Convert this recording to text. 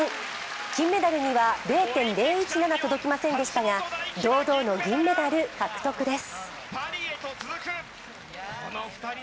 金メダルには０．０１７届きませんでしたが堂々の銀メダル獲得です。